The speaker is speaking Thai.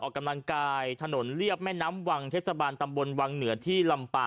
ออกกำลังกายถนนเรียบแม่น้ำวังเทศบาลตำบลวังเหนือที่ลำปา